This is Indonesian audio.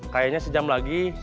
kayaknya sejam lagi